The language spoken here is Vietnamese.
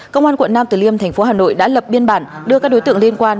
công an quận nam từ liêm thành phố hà nội đã lập biên bản đưa các đối tượng liên quan